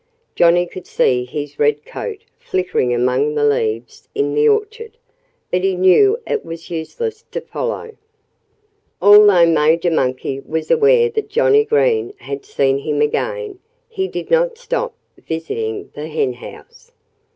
Johnnie could see his red coat flickering among the leaves in the orchard. But he knew it was useless to follow. Although Major Monkey was aware that Johnnie Green had seen him again, he did not stop visiting the henhouse.